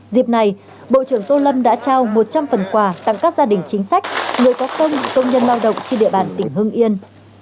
dịp này bộ trưởng tô lâm đã trao một trăm linh phần quà tặng các gia đình chính sách người có công công nhân lao động trên địa bàn tỉnh hưng yên